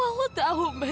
aku tahu man